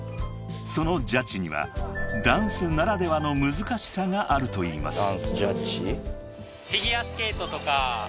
［そのジャッジにはダンスならではの難しさがあるといいます］